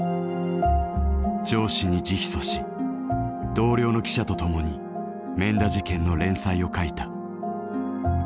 上司に直訴し同僚の記者と共に免田事件の連載を書いた。